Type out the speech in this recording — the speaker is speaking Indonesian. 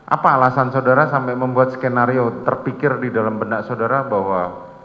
apa alasan saudara sampai membuat skenario terpikir di dalam benak saudara bahwa